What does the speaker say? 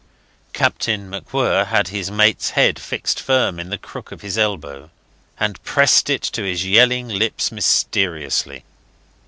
Captain MacWhirr had his mate's head fixed firm in the crook of his elbow, and pressed it to his yelling lips mysteriously.